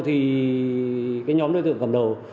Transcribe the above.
thì cái nhóm đối tượng cầm đầu